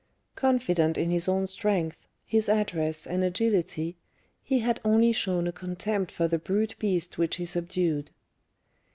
Confident in his own strength, his address, and agility, he had only shown a contempt for the brute beast which he subdued.